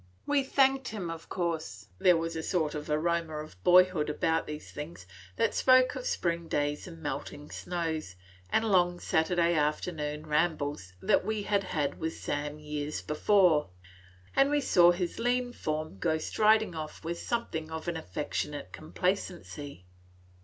We thanked him, of course; there was a sort of aroma of boyhood about these things, that spoke of spring days and melting snows, and long Saturday afternoon rambles that we had had with Sam years before. And we saw his lean form go striding off with something of an affectionate complacency.